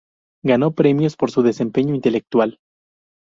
Ganó premios por su desempeño intelectual.